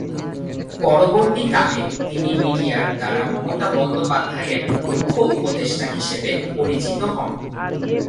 পরবর্তীকালে তিনি মিডিয়ার দ্বারা মমতা বন্দ্যোপাধ্যায় এর "মুখ্য উপদেষ্টা" হিসেবে পরিচিত হন।